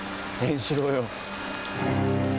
円四郎よ。